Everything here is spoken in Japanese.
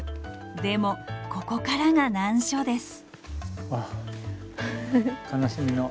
でもここからが難所です。